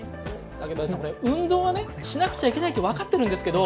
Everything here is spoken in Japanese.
竹林さんこれ運動はねしなくちゃいけないって分かってるんですけど